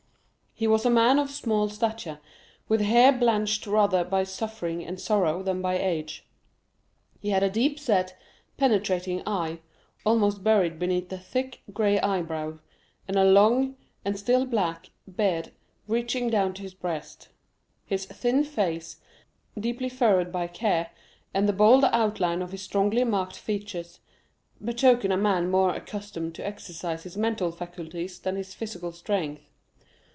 He was a man of small stature, with hair blanched rather by suffering and sorrow than by age. He had a deep set, penetrating eye, almost buried beneath the thick gray eyebrow, and a long (and still black) beard reaching down to his breast. His thin face, deeply furrowed by care, and the bold outline of his strongly marked features, betokened a man more accustomed to exercise his mental faculties than his physical strength.